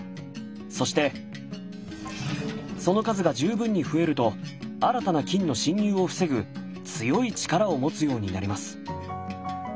そしてその数が十分に増えると新たな菌の侵入を防ぐ強い力を持つようになります。